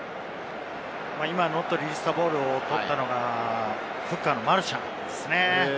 今、ノットリリースザボールを取ったのがフッカーのマルシャンですね。